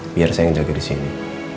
biar saya yang jaga disini